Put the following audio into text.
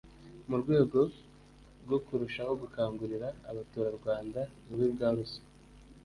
mu rwego rwo kurushaho gukangurira abaturarwanda ububi bwa ruswa